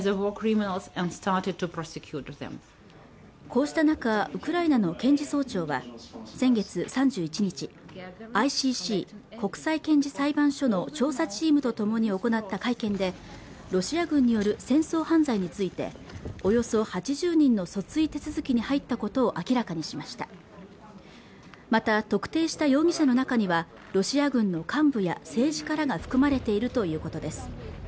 こうした中ウクライナの検事総長は先月３１日ＩＣＣ＝国際刑事裁判所の調査チームと共に行った会見でロシア軍による戦争犯罪についておよそ８０人の訴追手続きに入ったことを明らかにしましたまた特定した容疑者の中にはロシア軍の幹部や政治家らが含まれているということです